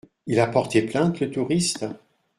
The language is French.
Il a porté plainte, le touriste ?